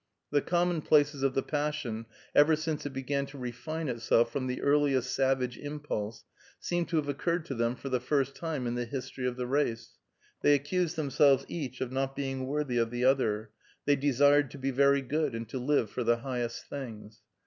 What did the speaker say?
The commonplaces of the passion ever since it began to refine itself from the earliest savage impulse, seemed to have occurred to them for the first time in the history of the race; they accused themselves each of not being worthy of the other; they desired to be very good, and to live for the highest things.